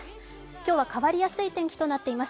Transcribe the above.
今日は変わりやすい天気となっています。